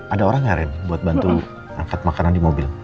ada orang nggak ren buat bantu angkat makanan di mobil